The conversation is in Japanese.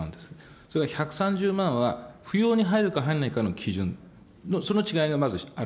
それから１３０万円は、扶養に入るか入らないかの基準の、その違いがまずある。